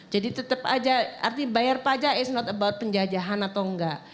tetap aja artinya bayar pajak is not about penjajahan atau enggak